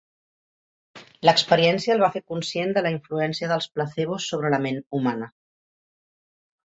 L'experiència el va fer conscient de la influència dels placebos sobre la ment humana.